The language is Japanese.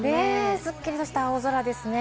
すっきりした青空ですね。